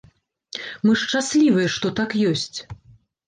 Мы шчаслівыя, што так ёсць.